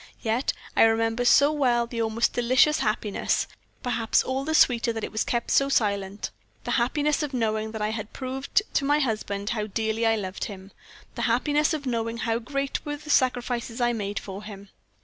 Yet I remember so well the almost delicious happiness perhaps all the sweeter that it was kept so silent the happiness of knowing that I had proved to my husband how dearly I loved him; the happiness of knowing how great were the sacrifices I made for him.